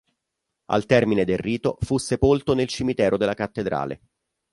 Al termine del rito fu sepolto nel cimitero della cattedrale.